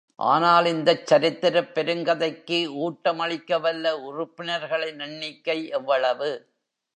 ஆனால், இந்தச் சரித்திரப் பெருங்கதைக்கு ஊட்டம் அளிக்கவல்ல உறுப்பினர்களின் எண்ணிக்கை எவ்வளவு?